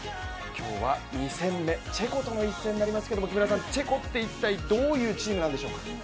今日は２戦目、チェコとの一戦になりますけれども、木村さんチェコって一体どういうチームなんでしょうか？